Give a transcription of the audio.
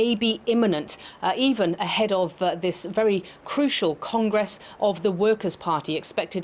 mungkin akan menimbulkan bahkan di depan kongres pemerintah tni yang sangat penting